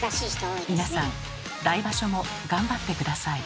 皆さん来場所も頑張って下さい。